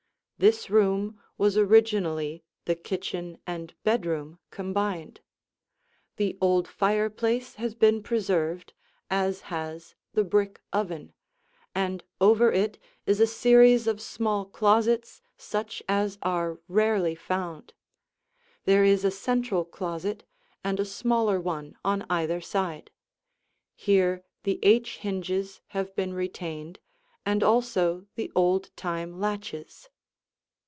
This room was originally the kitchen and bedroom combined. The old fireplace has been preserved, as has the brick oven, and over it is a series of small closets such as are rarely found. There is a central closet and a smaller one on either side. Here the H hinges have been retained and also the old time latches.